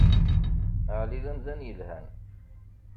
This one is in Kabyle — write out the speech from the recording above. Ɛli d amdan yelhan.